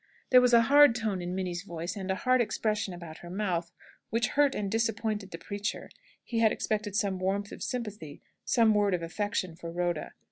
There was a hard tone in Minnie's voice, and a hard expression about her mouth, which hurt and disappointed the preacher. He had expected some warmth of sympathy, some word of affection for Rhoda.